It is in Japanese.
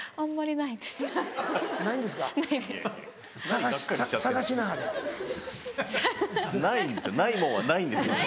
ないもんはないんですよ。